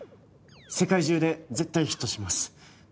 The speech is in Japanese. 世界中で絶対ヒットします